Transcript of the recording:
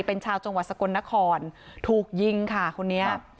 เป็นชาวจังหวัดสกลนครถูกยิงค่ะคนนี้